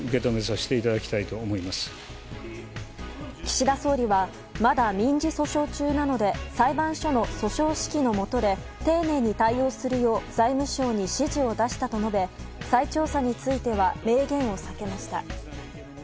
岸田総理はまだ民事訴訟中なので裁判所の訴訟指揮のもとで丁寧に対応するよう財務省に指示を出したと述べ再調査については明言を避けました。